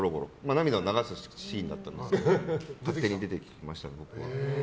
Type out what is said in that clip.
涙を流すシーンだったんですが勝手に出てきましたね、僕は。